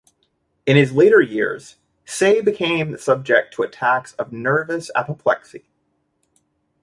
In his later years Say became subject to attacks of nervous apoplexy.